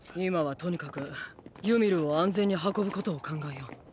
今はとにかくユミルを安全に運ぶことを考えよう。